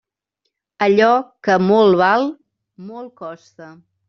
Allò que molt val, molt costa.